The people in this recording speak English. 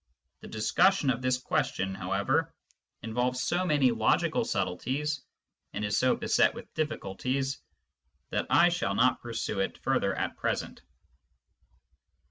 The discussion of this question, however, involves so many logical subtleties, and is so beset with difficulties, that I shall not pursue it further at present.